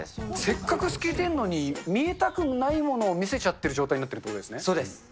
せっかく透けてるのに、見えたくないものを見せちゃってる状態になってるということですそうです。